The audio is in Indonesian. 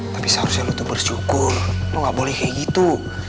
tapi seharusnya lutut bersyukur lo gak boleh kayak gitu